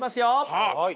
はい！